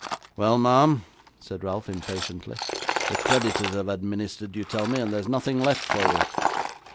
'Well, ma'am,' said Ralph, impatiently, 'the creditors have administered, you tell me, and there's nothing left for you?